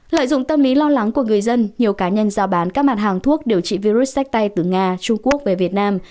lợi dụng tâm lý lo lắng của người dân nhiều cá nhân giao bán các mặt hàng thuốc điều trị virus sách tay từ nga trung quốc về việt nam